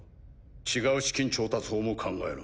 違う資金調達法も考えろ。